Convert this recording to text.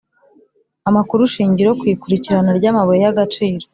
Amakurushingiro ku ikurikirana ryamabuye yagaciro